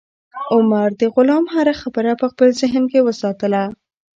عمر د غلام هره خبره په خپل ذهن کې وساتله.